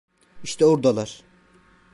İşte oradalar!